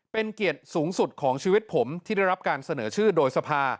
เป็นเกียรติสูงสุดของชีวิตผมที่ได้รับการเสนอชื่อโดยสภา